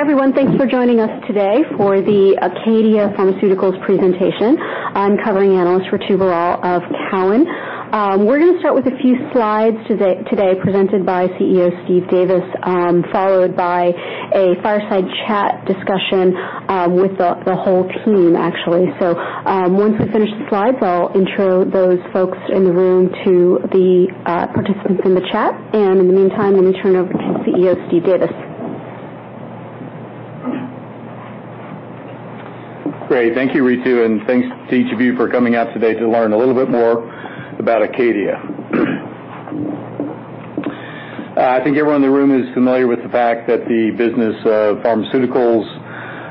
Hi, everyone. Thanks for joining us today for the ACADIA Pharmaceuticals presentation. I'm covering analyst Ritu Baral of Cowen. We're going to start with a few slides today presented by CEO Steve Davis, followed by a fireside chat discussion with the whole team, actually. Once we finish the slides, I'll intro those folks in the room to the participants in the chat. In the meantime, let me turn over to CEO Steve Davis. Great. Thank you, Ritu, and thanks to each of you for coming out today to learn a little bit more about ACADIA. I think everyone in the room is familiar with the fact that the business of pharmaceuticals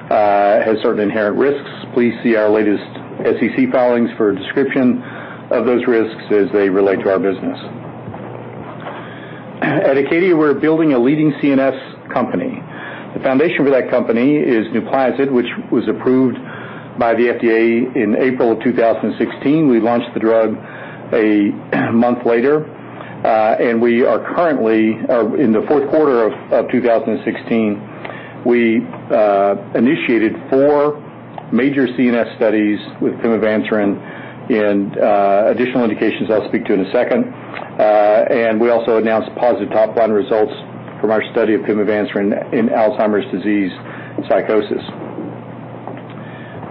has certain inherent risks. Please see our latest SEC filings for a description of those risks as they relate to our business. At ACADIA, we're building a leading CNS company. The foundation for that company is NUPLAZID, which was approved by the FDA in April 2016. We launched the drug a month later. In the fourth quarter of 2016, we initiated 4 major CNS studies with pimavanserin and additional indications I'll speak to in a second. We also announced positive top-line results from our study of pimavanserin in Alzheimer's disease psychosis.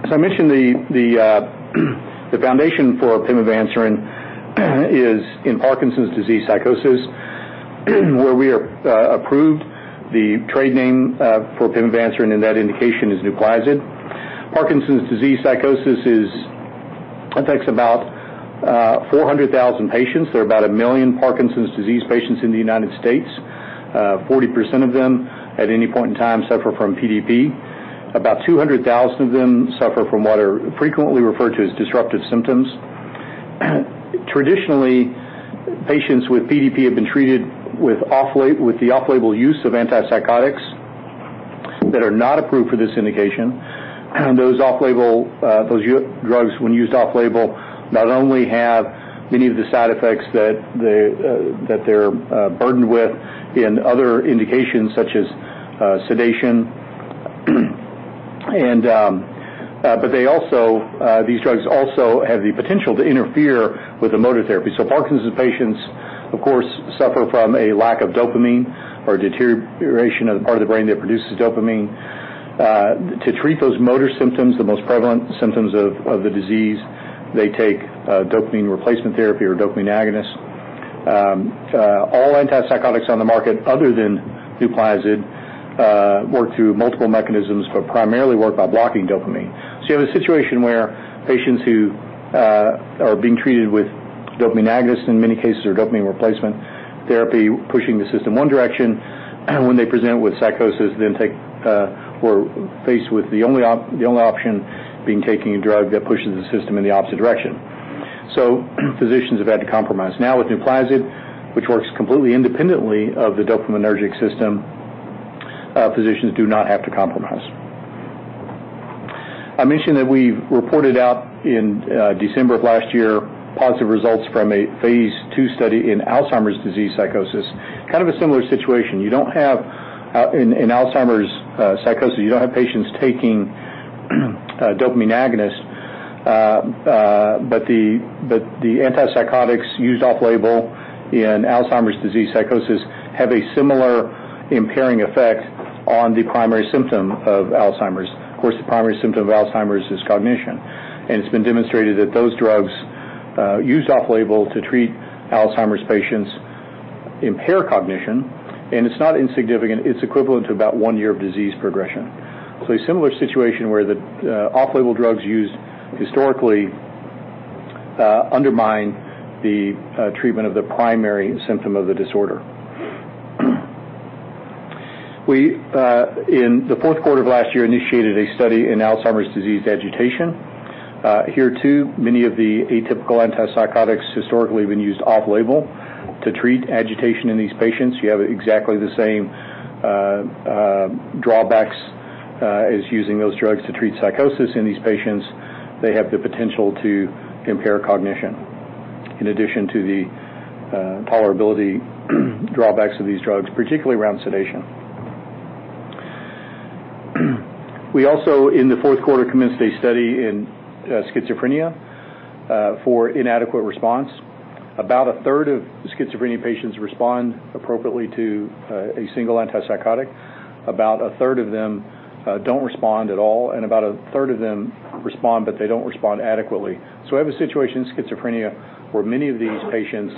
As I mentioned, the foundation for pimavanserin is in Parkinson's disease psychosis, where we are approved. The trade name for pimavanserin in that indication is NUPLAZID. Parkinson's disease psychosis affects about 400,000 patients. There are about 1 million Parkinson's disease patients in the U.S. 40% of them, at any point in time, suffer from PDP. About 200,000 of them suffer from what are frequently referred to as disruptive symptoms. Traditionally, patients with PDP have been treated with the off-label use of antipsychotics that are not approved for this indication. Those drugs when used off-label, not only have many of the side effects that they're burdened with in other indications such as sedation, but these drugs also have the potential to interfere with the motor therapy. Parkinson's patients, of course, suffer from a lack of dopamine or deterioration of the part of the brain that produces dopamine. To treat those motor symptoms, the most prevalent symptoms of the disease, they take dopamine replacement therapy or dopamine agonists. All antipsychotics on the market other than NUPLAZID work through multiple mechanisms, but primarily work by blocking dopamine. You have a situation where patients who are being treated with dopamine agonists in many cases, or dopamine replacement therapy, pushing the system one direction. When they present with psychosis, then were faced with the only option being taking a drug that pushes the system in the opposite direction. Physicians have had to compromise. Now with NUPLAZID, which works completely independently of the dopaminergic system, physicians do not have to compromise. I mentioned that we reported out in December of last year, positive results from a phase II study in Alzheimer's disease psychosis, kind of a similar situation. In Alzheimer's psychosis, you don't have patients taking dopamine agonists. The antipsychotics used off-label in Alzheimer's disease psychosis have a similar impairing effect on the primary symptom of Alzheimer's. Of course, the primary symptom of Alzheimer's is cognition, and it's been demonstrated that those drugs used off-label to treat Alzheimer's patients impair cognition, and it's not insignificant. It's equivalent to about one year of disease progression. A similar situation where the off-label drugs used historically undermine the treatment of the primary symptom of the disorder. We, in the fourth quarter of last year, initiated a study in Alzheimer's disease agitation. Here, too, many of the atypical antipsychotics historically have been used off-label to treat agitation in these patients. You have exactly the same drawbacks as using those drugs to treat psychosis in these patients. They have the potential to impair cognition in addition to the tolerability drawbacks of these drugs, particularly around sedation. We also, in the fourth quarter, commenced a study in schizophrenia for inadequate response. About a third of schizophrenia patients respond appropriately to a single antipsychotic. About a third of them don't respond at all, and about a third of them respond, but they don't respond adequately. We have a situation in schizophrenia where many of these patients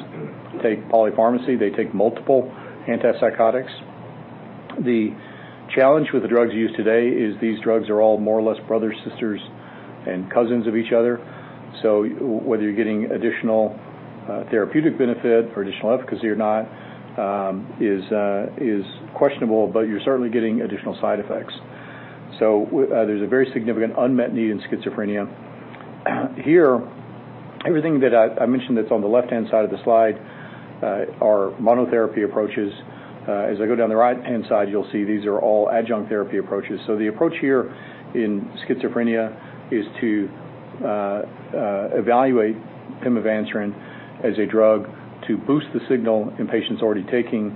take polypharmacy. They take multiple antipsychotics. The challenge with the drugs used today is these drugs are all more or less brothers, sisters, and cousins of each other. Whether you're getting additional therapeutic benefit or additional efficacy or not is questionable, but you're certainly getting additional side effects. There's a very significant unmet need in schizophrenia. Here, everything that I mentioned that's on the left-hand side of the slide are monotherapy approaches. As I go down the right-hand side, you'll see these are all adjunct therapy approaches. The approach here in schizophrenia is to evaluate pimavanserin as a drug to boost the signal in patients already taking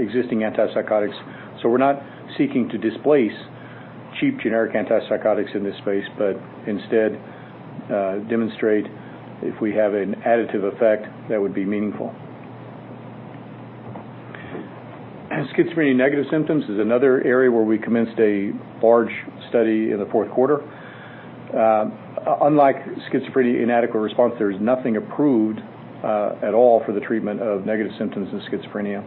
existing antipsychotics. We're not seeking to displace cheap generic antipsychotics in this space, but instead demonstrate if we have an additive effect that would be meaningful. Schizophrenia negative symptoms is another area where we commenced a large study in the fourth quarter. Unlike schizophrenia inadequate response, there is nothing approved at all for the treatment of negative symptoms in schizophrenia.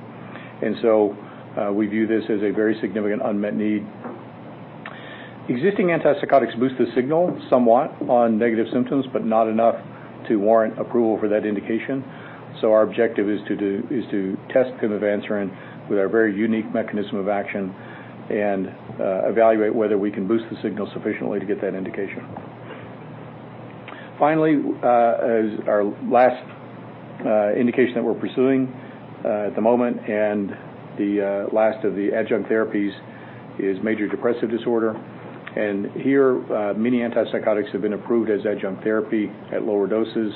We view this as a very significant unmet need. Existing antipsychotics boost the signal somewhat on negative symptoms, but not enough to warrant approval for that indication. Our objective is to test pimavanserin with our very unique mechanism of action and evaluate whether we can boost the signal sufficiently to get that indication. Finally, our last indication that we're pursuing at the moment and the last of the adjunct therapies is major depressive disorder. Here, many antipsychotics have been approved as adjunct therapy at lower doses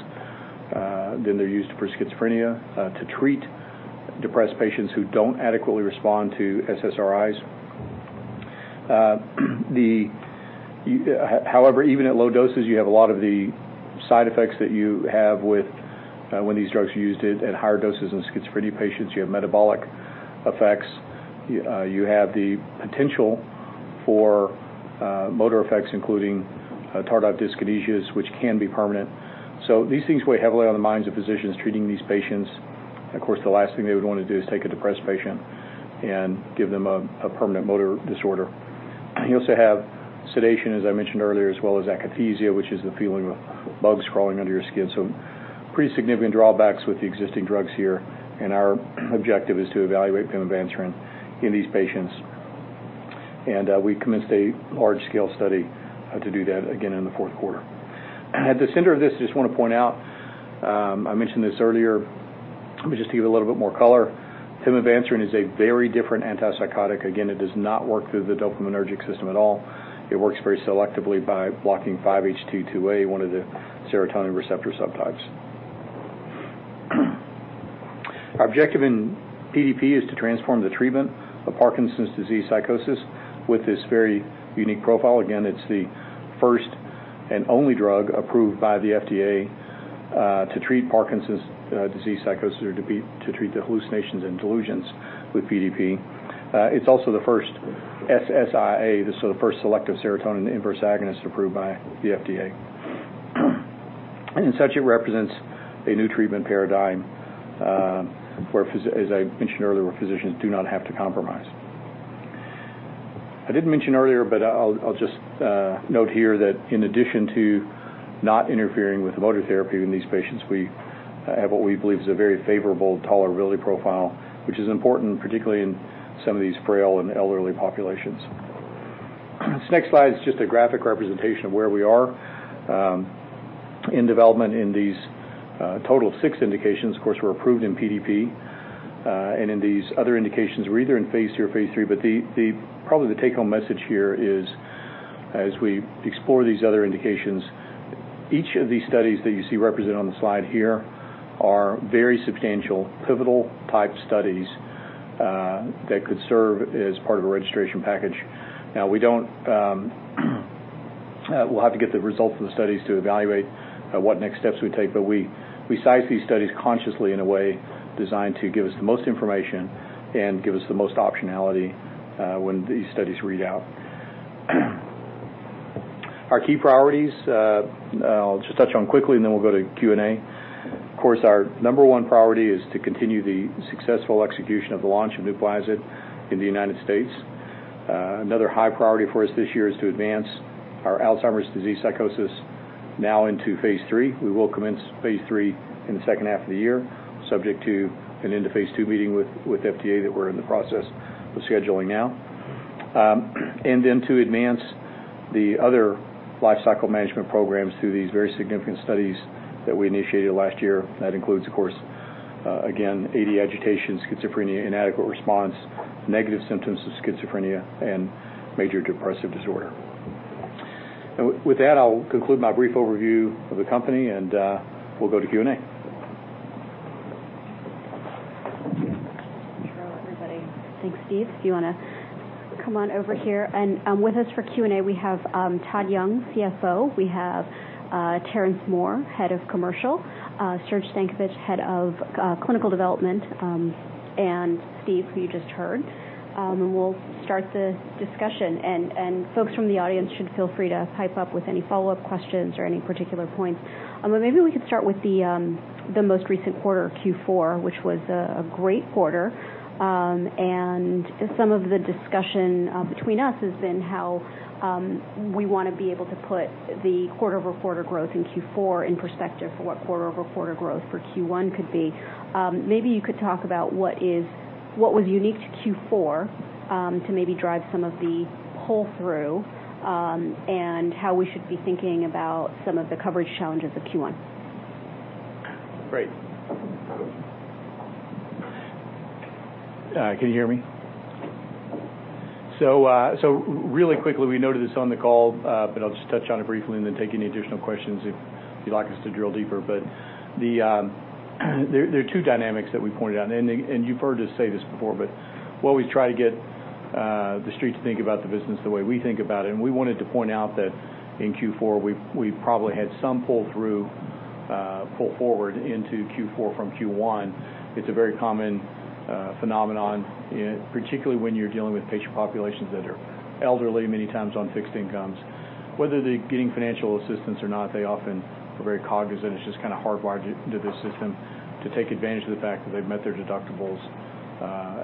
than they're used for schizophrenia to treat depressed patients who don't adequately respond to SSRIs. However, even at low doses, you have a lot of the side effects that you have when these drugs are used at higher doses in schizophrenia patients. You have metabolic effects. You have the potential for motor effects, including tardive dyskinesias, which can be permanent. These things weigh heavily on the minds of physicians treating these patients. Of course, the last thing they would want to do is take a depressed patient and give them a permanent motor disorder. You also have sedation, as I mentioned earlier, as well as akathisia, which is the feeling of bugs crawling under your skin. Pretty significant drawbacks with the existing drugs here. Our objective is to evaluate pimavanserin in these patients. We commenced a large-scale study to do that again in the fourth quarter. At the center of this, I just want to point out, I mentioned this earlier, but just to give a little bit more color, pimavanserin is a very different antipsychotic. It does not work through the dopaminergic system at all. It works very selectively by blocking 5-HT2A, one of the serotonin receptor subtypes. Our objective in PDP is to transform the treatment of Parkinson's disease psychosis with this very unique profile. It's the first and only drug approved by the FDA to treat Parkinson's disease psychosis or to treat the hallucinations and delusions with PDP. It's also the first SSIA, the sort of first selective serotonin inverse agonist approved by the FDA. In such, it represents a new treatment paradigm, as I mentioned earlier, where physicians do not have to compromise. I didn't mention earlier, but I'll just note here that in addition to not interfering with motor therapy in these patients, we have what we believe is a very favorable tolerability profile, which is important, particularly in some of these frail and elderly populations. This next slide is just a graphic representation of where we are in development in these total of six indications. Of course, we're approved in PDP. In these other indications, we're either in phase II or phase III. Probably the take-home message here is, as we explore these other indications, each of these studies that you see represented on the slide here are very substantial, pivotal type studies that could serve as part of a registration package. We'll have to get the results of the studies to evaluate what next steps we take. We size these studies consciously in a way designed to give us the most information and give us the most optionality when these studies read out. Our key priorities, I'll just touch on quickly and then we'll go to Q&A. Of course, our number one priority is to continue the successful execution of the launch of NUPLAZID in the United States. Another high priority for us this year is to advance our Alzheimer's disease psychosis now into phase III. We will commence phase III in the second half of the year, subject to an end-of-phase II meeting with FDA that we're in the process of scheduling now. To advance the other life cycle management programs through these very significant studies that we initiated last year. That includes, of course, again, AD agitation, schizophrenia, inadequate response, negative symptoms of schizophrenia, and major depressive disorder. With that, I'll conclude my brief overview of the company, and we'll go to Q&A. Hello, everybody. Thanks, Steve. Do you want to come on over here? With us for Q&A, we have Todd Young, CFO. We have Terrence Moore, Head of Commercial. Serge Stankovic, Head of Clinical Development, and Steve, who you just heard. We'll start the discussion. Folks from the audience should feel free to pipe up with any follow-up questions or any particular points. Maybe we could start with the most recent quarter, Q4, which was a great quarter. Some of the discussion between us has been how we want to be able to put the quarter-over-quarter growth in Q4 in perspective for what quarter-over-quarter growth for Q1 could be. Maybe you could talk about what was unique to Q4 to maybe drive some of the pull-through and how we should be thinking about some of the coverage challenges of Q1. Great. Can you hear me? Really quickly, we noted this on the call, I'll just touch on it briefly and then take any additional questions if you'd like us to drill deeper. There are two dynamics that we pointed out, you've heard us say this before, what we try to get the Street to think about the business the way we think about it, we wanted to point out that in Q4, we probably had some pull forward into Q4 from Q1. It's a very common phenomenon, particularly when you're dealing with patient populations that are elderly, many times on fixed incomes. Whether they're getting financial assistance or not, they often are very cognizant. It's just kind of hardwired into their system to take advantage of the fact that they've met their deductibles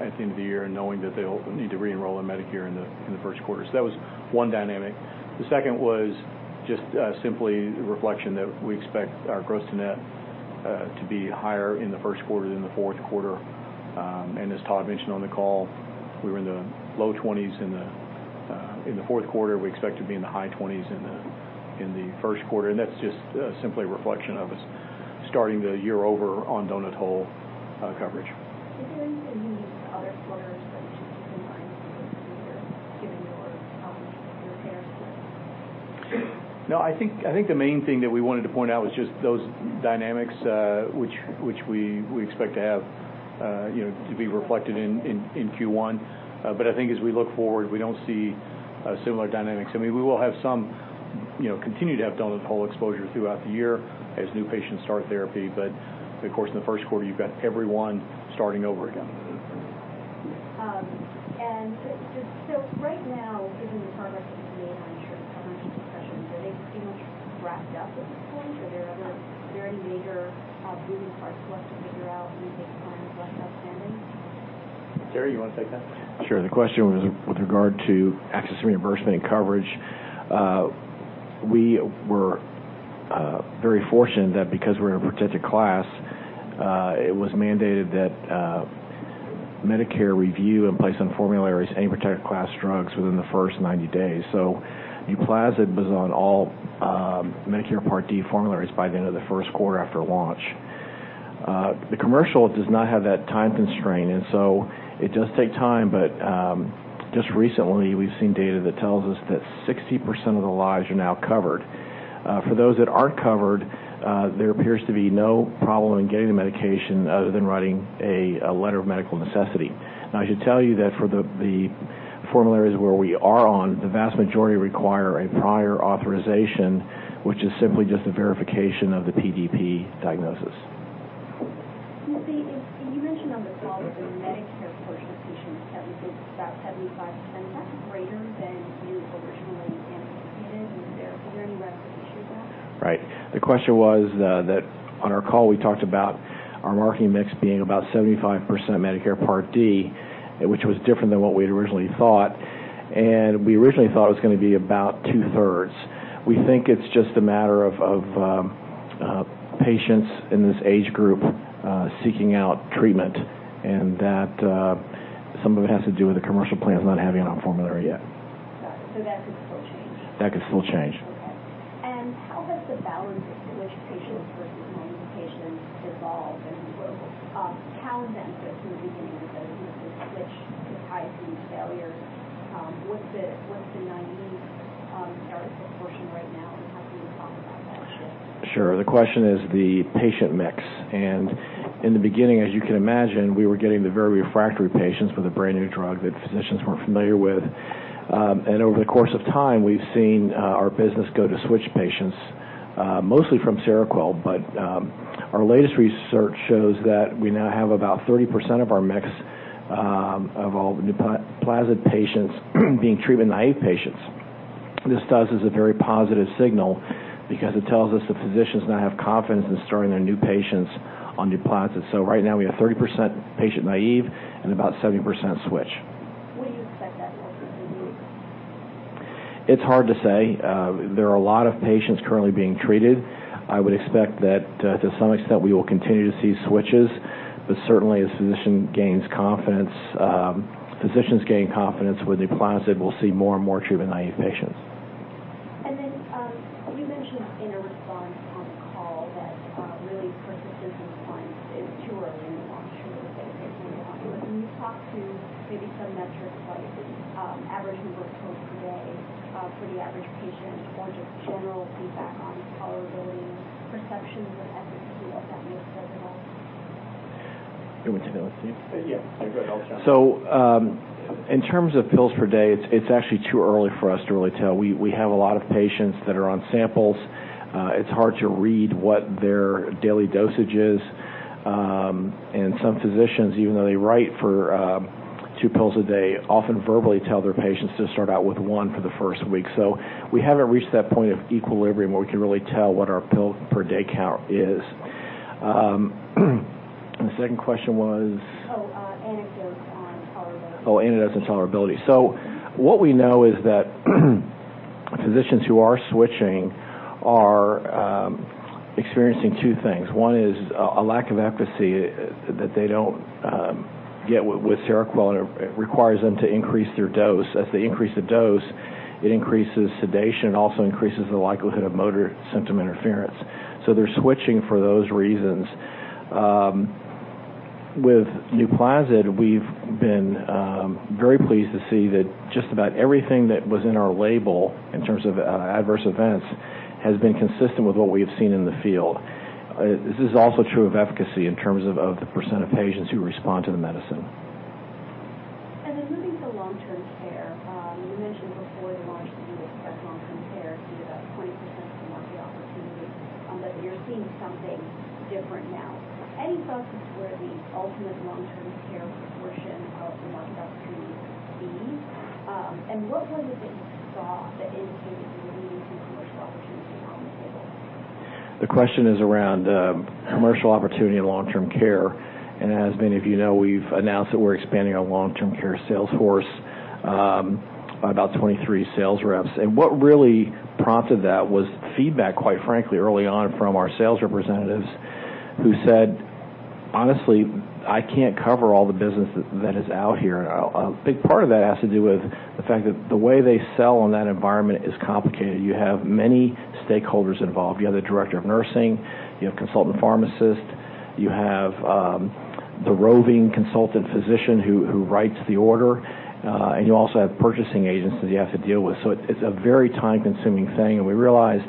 at the end of the year knowing that they'll need to re-enroll in Medicare in the first quarter. That was one dynamic. The second was just simply a reflection that we expect our gross-to-net to be higher in the first quarter than the fourth quarter. As Todd mentioned on the call, we were in the low 20s in the fourth quarter. We expect to be in the high 20s in the first quarter. That's just simply a reflection of us starting the year over on Donut Hole coverage. Is there anything unique to this quarter in terms of combining those two either given your? I think the main thing that we wanted to point out was just those dynamics which we expect to have to be reflected in Q1. I think as we look forward, we don't see similar dynamics. We will continue to have donut hole exposure throughout the year as new patients start therapy. Of course, in the first quarter, you've got everyone starting over again. Right now, given the progress that you've made on insurance coverage and discussions, are they pretty much wrapped up at this point? Are there any major moving parts left to figure out, any big items left outstanding? Terry, you want to take that? Sure. The question was with regard to access, reimbursement, and coverage. We were very fortunate that because we're in a protected class, it was mandated that Medicare review and place on formularies any protected class drugs within the first 90 days. NUPLAZID was on all Medicare Part D formularies by the end of the first quarter after launch. The commercial does not have that time constraint, it does take time. Just recently, we've seen data that tells us that 60% of the lives are now covered. For those that aren't covered, there appears to be no problem in getting the medication other than writing a letter of medical necessity. I should tell you that for the formularies where we are on, the vast majority require a prior authorization, which is simply just a verification of the PDP diagnosis. You mentioned on the call that the Medicare portion of patients, I think about 75%. Is that greater than you originally anticipated? Were there any lessons to that? Right. The question was that on our call, we talked about our marketing mix being about 75% Medicare Part D, which was different than what we had originally thought. We originally thought it was going to be about two-thirds. We think it's just a matter of patients in this age group seeking out treatment. That some of it has to do with the commercial plans not having it on formulary yet. Got it. That could still change. That could still change. Okay. How has the balance of switch patients versus non-switch patients evolved since we were [starting] versus in the beginning of the business with switch to [therapy] failures. What's the naive patient proportion right now, and how can you talk about that shift? Sure. The question is the patient mix. In the beginning, as you can imagine, we were getting the very refractory patients with a brand-new drug that physicians weren't familiar with. Over the course of time, we've seen our business go to switch patients, mostly from Seroquel, but our latest research shows that we now have about 30% of our mix of all NUPLAZID patients being treatment-naive patients. What this does is a very positive signal because it tells us that physicians now have confidence in starting their new patients on NUPLAZID. Right now, we have 30% patient naive and about 70% switch. Would you expect that to continue? It's hard to say. There are a lot of patients currently being treated. I would expect that to some extent, we will continue to see switches, but certainly as physicians gain confidence with NUPLAZID, we'll see more and more treatment-naive patients. You mentioned in a response on the call that really prescription response is too early in the launch to really say if it's going to be popular. Can you talk to maybe some metrics like average number of pills per day for the average patient or just general feedback on tolerability, perceptions of efficacy, what that looks like at all? You want to take that, Steve? Yeah. Go ahead. I'll chime in. In terms of pills per day, it's actually too early for us to really tell. We have a lot of patients that are on samples. It's hard to read what their daily dosage is. Some physicians, even though they write for two pills a day, often verbally tell their patients to start out with one for the first week. We haven't reached that point of equilibrium where we can really tell what our pill per day count is. The second question was? Anecdotes on tolerability. Anecdotes on tolerability. What we know is that physicians who are switching are experiencing two things. One is a lack of efficacy that they don't get with Seroquel, and it requires them to increase their dose. As they increase the dose, it increases sedation. It also increases the likelihood of motor symptom interference. They're switching for those reasons. With NUPLAZID, we've been very pleased to see that just about everything that was in our label, in terms of adverse events, has been consistent with what we've seen in the field. This is also true of efficacy in terms of the % of patients who respond to the medicine. Moving I can't cover all the business that is out here." A big part of that has to do with the fact that the way they sell in that environment is complicated. You have many stakeholders involved. You have the director of nursing, you have consultant pharmacists, you have the roving consultant physician who writes the order, and you also have purchasing agents that you have to deal with. It's a very time-consuming thing. We realized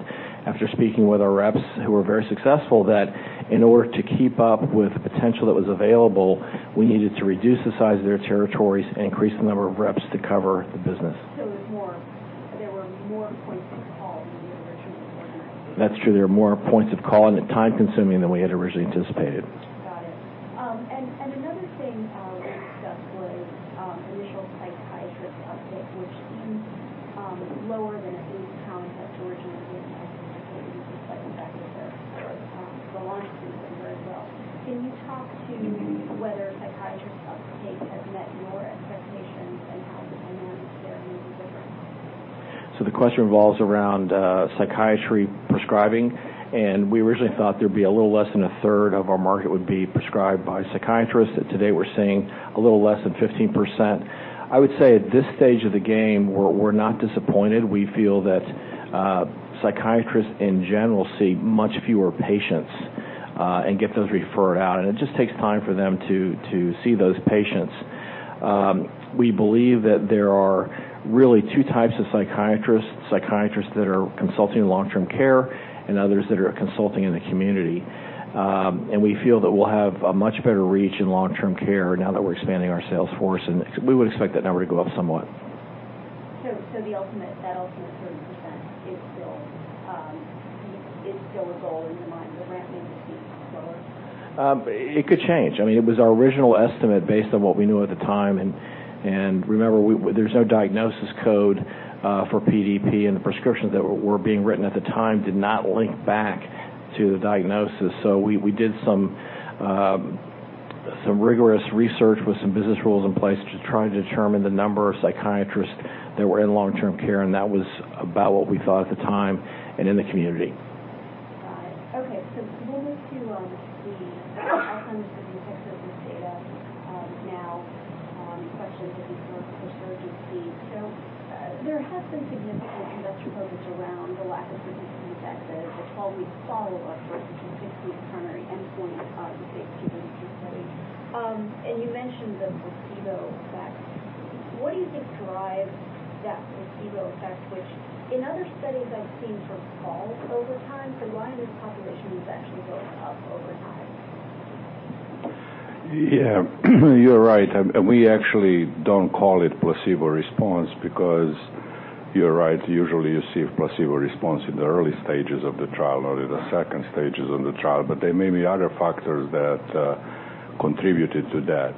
after speaking with our reps, who were very successful, that in order to keep up with the potential that was available, we needed to reduce the size of their territories and increase the number of reps to cover the business. There were more points of call than you had originally planned. That's true. There were more points of call and it time consuming than we had originally anticipated. Got it. Another thing I wanted to discuss was initial psychiatrist uptake, which seems lower than at least how it was originally anticipated, at least by the fact that there was the launch season there as well. Can you talk to whether psychiatrist uptake has met your expectations and how you manage their needs differently? The question revolves around psychiatry prescribing, and we originally thought there'd be a little less than a third of our market would be prescribed by psychiatrists. At today, we're seeing a little less than 15%. I would say at this stage of the game, we're not disappointed. We feel that psychiatrists in general see much fewer patients and get those referred out, and it just takes time for them to see those patients. We believe that there are really 2 types of psychiatrists. Psychiatrists that are consulting long-term care and others that are consulting in the community. We feel that we'll have a much better reach in long-term care now that we're expanding our sales force, and we would expect that number to go up somewhat. That ultimate 30% is still a goal in your mind, but ramping to see lower? It could change. It was our original estimate based on what we knew at the time. Remember, there's no diagnosis code for PDP, and the prescriptions that were being written at the time did not link back to the diagnosis. We did some rigorous research with some business rules in place to try to determine the number of psychiatrists that were in long-term care, and that was about what we thought at the time and in the community. Got it. Okay. We'll move to the Alzheimer's disease research data now. Questions have been for Serge. There has been significant investor focus around the lack of significance at the 12-week follow-up versus the week 6 primary endpoint of the ACP-103-012 study. You mentioned the placebo effect. What do you think drives that placebo effect, which in other studies I've seen [from small] over time. Why in this population is actually going up over time? Yeah. You're right. We actually don't call it placebo response because you're right. Usually, you see a placebo response in the early stages of the trial or in the second stages of the trial. There may be other factors that contributed to that.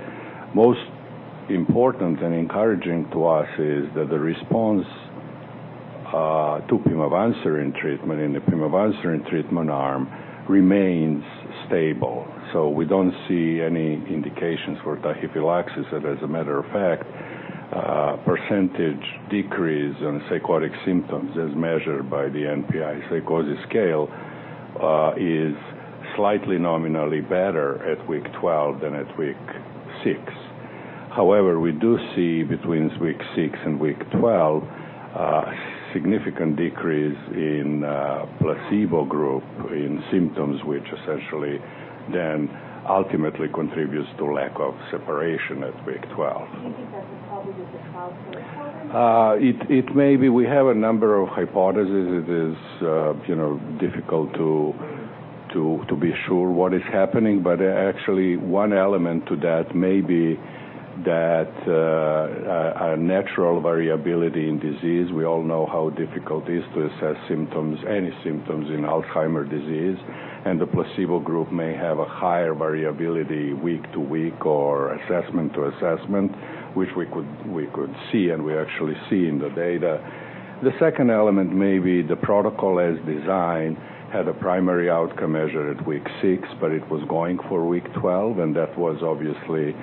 Most important and encouraging to us is that the response to pimavanserin treatment in the pimavanserin treatment arm remains stable. We don't see any indications for tachyphylaxis. As a matter of fact, percentage decrease in psychotic symptoms, as measured by the NPI psychosis scale, is slightly nominally better at week 12 than at week 6. However, we do see between week 6 and week 12 a significant decrease in placebo group in symptoms, which essentially then ultimately contributes to lack of separation at week 12. Do you think that's a problem with the trial protocol? It may be. We have a number of hypotheses. It is difficult to be sure what is happening. Actually, one element to that may be that a natural variability in disease. We all know how difficult it is to assess symptoms, any symptoms in Alzheimer's disease, and the placebo group may have a higher variability week to week or assessment to assessment, which we could see, and we actually see in the data. The second element may be the protocol as designed had a primary outcome measure at week 6, but it was going for week 12, and that was obviously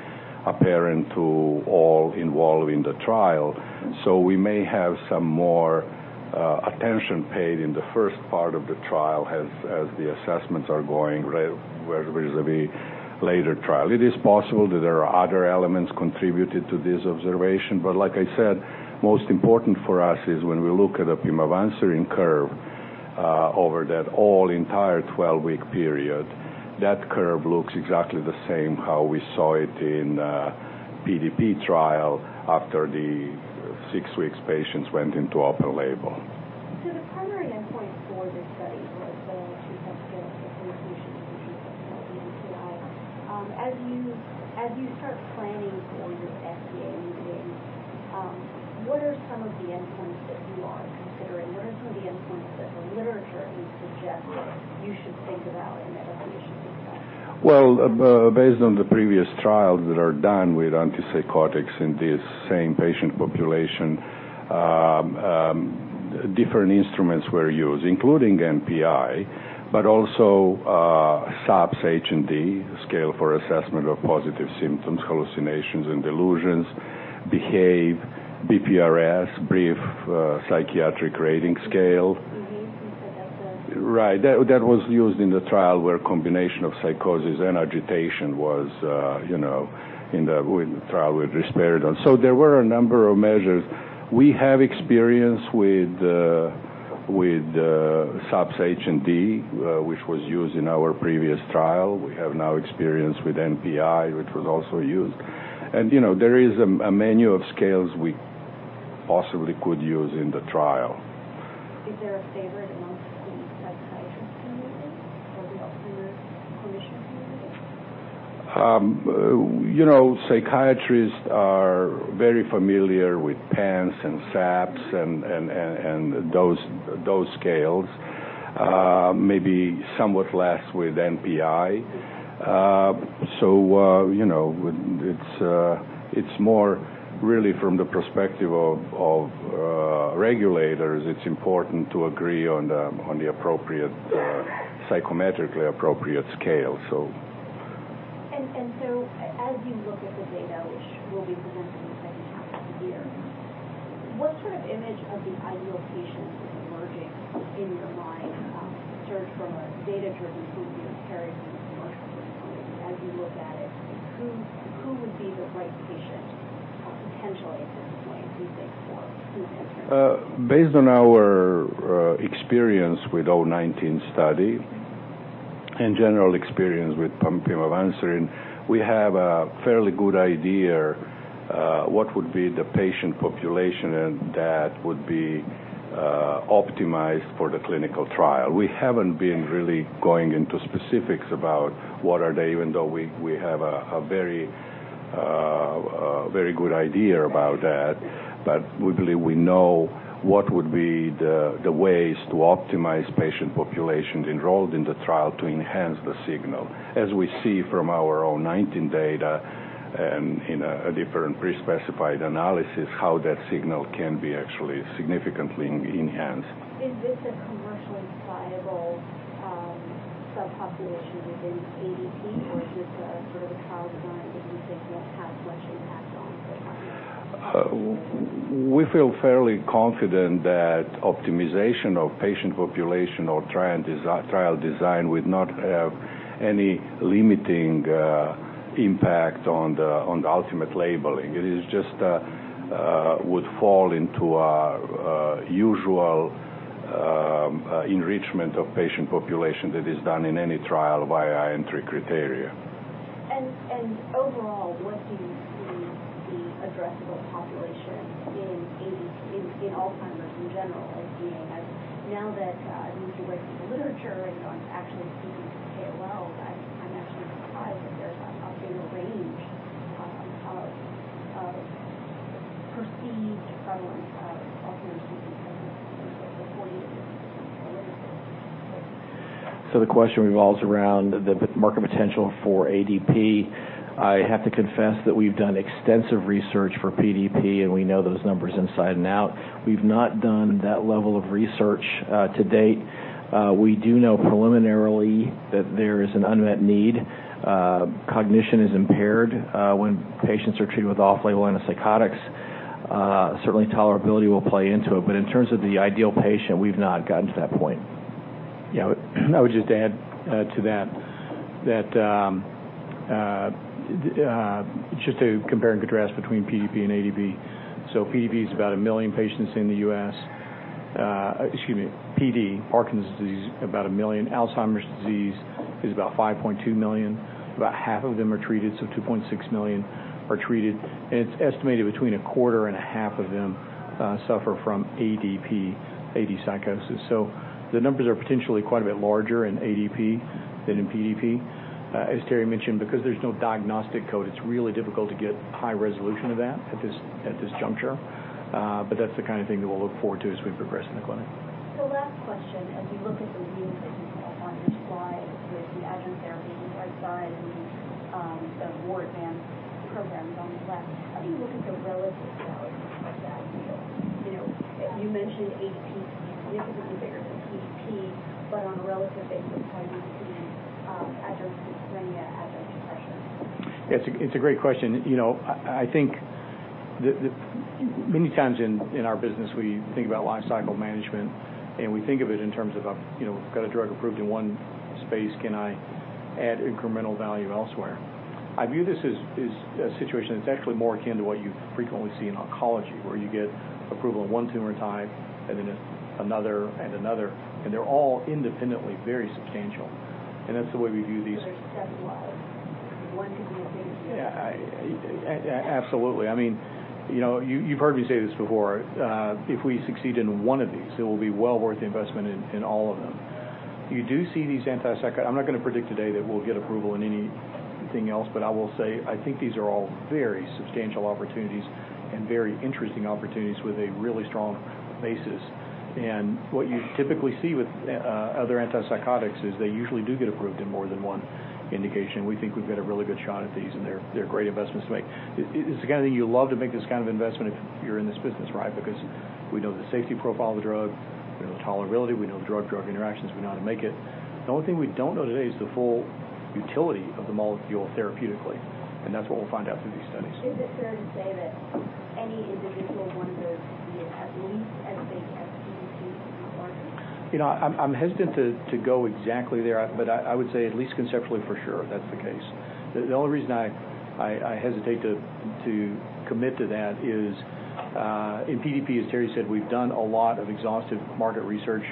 apparent to all involved in the trial. We may have some more attention paid in the first part of the trial as the assessments are going vis-à-vis later trial. It is possible that there are other elements contributed to this observation. Like I said, most important for us is when we look at the pimavanserin curve over that whole entire 12-week period, that curve looks exactly the same as how we saw it in the PDP trial after the six weeks patients went into open label. the primary endpoint for this study was [the two step scale for positive and negative symptoms, or the NPI. As you start planning for your FDA meetings, what are some of the endpoints that you are considering? What are some of the endpoints that the literature is suggesting you should think about in that evaluation of that? Well, based on the previous trials that are done with antipsychotics in this same patient population, different instruments were used, including NPI, but also SAPS-H+D, Scale for Assessment of Positive Symptoms–Hallucinations + Delusions, BEHAVE, BPRS, Brief Psychiatric Rating Scale. Right. That was used in the trial where a combination of psychosis and agitation was in the trial with risperidone. There were a number of measures. We have experience with SAPS-H+D, which was used in our previous trial. We have now experience with NPI, which was also used. There is a menu of scales we possibly could use in the trial. Is there a favorite amongst the psychiatrist community or the Alzheimer's clinician community? Psychiatrists are very familiar with PANSS and SAPS and those scales. Maybe somewhat less with NPI. It's more really from the perspective of regulators. It's important to agree on the psychometrically appropriate scale. As you look at the data, which will be presented in the second half of the year, what sort of image of the ideal patient is emerging in your mind? Sort of from a data-driven point of view, Terrence, from a commercial point of view. As you look at it, who would be the right patient, potentially at this point, do you think for an Alzheimer's patient? Based on our experience with 019 study and general experience with pimavanserin, we have a fairly good idea what would be the patient population that would be optimized for the clinical trial. We haven't been really going into specifics about what are they, even though we have a very good idea about that. We believe we know what would be the ways to optimize patient populations enrolled in the trial to enhance the signal. As we see from our Study-019 data and in a different pre-specified analysis, how that signal can be actually significantly enhanced. Is this a commercially viable subpopulation within ADP, or is this a sort of a tagline that you think won't have much impact on the ultimate label? We feel fairly confident that optimization of patient population or trial design would not have any limiting impact on the ultimate labeling. It just would fall into a usual enrichment of patient population that is done in any trial via entry criteria. Overall, what do you see the addressable population in Alzheimer's in general as being? As now that at least you've read through the literature and you're actually speaking to KOLs, I'm actually surprised that there's a fair range of perceived prevalence of Alzheimer's disease patients that were poorly addressed in the literature. The question revolves around the market potential for ADP. I have to confess that we've done extensive research for PDP, and we know those numbers inside and out. We've not done that level of research to date. We do know preliminarily that there is an unmet need. Cognition is impaired when patients are treated with off-label antipsychotics. Certainly, tolerability will play into it. In terms of the ideal patient, we've not gotten to that point. I would just add to that, just to compare and contrast between PDP and ADP. PDP is about 1 million patients in the U.S. Excuse me, PD, Parkinson's disease, about 1 million. Alzheimer's disease is about 5.2 million. About half of them are treated, so 2.6 million are treated. It's estimated between a quarter and a half of them suffer from ADP, AD psychosis. The numbers are potentially quite a bit larger in ADP than in PDP. As Terry mentioned, because there's no diagnostic code, it's really difficult to get high resolution of that at this juncture. That's the kind of thing that we'll look forward to as we progress in the clinic. Last question. As you look at the meetings that you have on your slide with the adjunct therapy on the right side and the more advanced programs on the left, how do you look at the relative value of each of those? You mentioned ADP is significantly bigger than PDP, but on a relative basis, how do you see adjunct dementia, adjunct depression? It's a great question. I think that many times in our business, we think about life cycle management, and we think of it in terms of, we've got a drug approved in one space, can I add incremental value elsewhere? I view this as a situation that's actually more akin to what you frequently see in oncology, where you get approval of one tumor type and then another and another, and they're all independently very substantial. That's the way we view these. They're stepwise. One can be as big as the other. Yeah. Absolutely. You've heard me say this before. If we succeed in one of these, it will be well worth the investment in all of them. I'm not going to predict today that we'll get approval in anything else, but I will say, I think these are all very substantial opportunities and very interesting opportunities with a really strong basis. What you typically see with other antipsychotics is they usually do get approved in more than one indication. We think we've got a really good shot at these, and they're great investments to make. It's the kind of thing you love to make this kind of investment if you're in this business, because we know the safety profile of the drug, we know tolerability, we know the drug interactions, we know how to make it. The only thing we don't know today is the full utility of the molecule therapeutically, that's what we'll find out through these studies. Is it fair to say that any individual one of those could be at least as big as PDP if not larger? I'm hesitant to go exactly there, but I would say at least conceptually, for sure that's the case. The only reason I hesitate to commit to that is in PDP, as Terry said, we've done a lot of exhaustive market research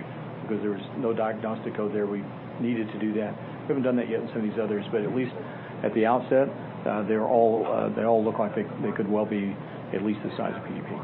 because there was no diagnostic code there. We needed to do that. We haven't done that yet in some of these others, but at least at the outset, they all look like they could well be at least the size of PDP.